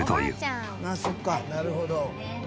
なるほど。